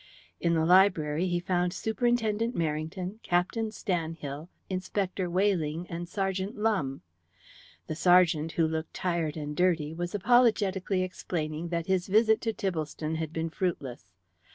In the library he found Superintendent Merrington, Captain Stanhill, Inspector Weyling, and Sergeant Lumbe. The sergeant, who looked tired and dirty, was apologetically explaining that his visit to Tibblestone had been fruitless.